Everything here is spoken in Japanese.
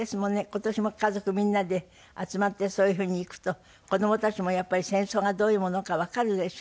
今年も家族みんなで集まってそういう風に行くと子どもたちもやっぱり戦争がどういうものかわかるでしょ？